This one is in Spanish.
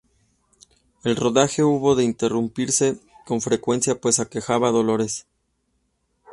El rodaje hubo de interrumpirse con frecuencia pues aquejaba dolores.